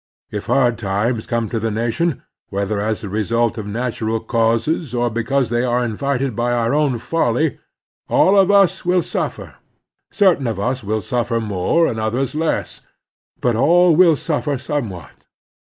If hard times come to the nation, whether as the result of natu ral causes or because they are invited by our own folly, all of us will suffer. Certain of us will suffer more, and others less, but all will suffer somewhat.